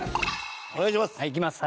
お願いします。